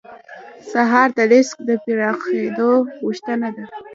سهار د رزق د پراخېدو غوښتنه ده.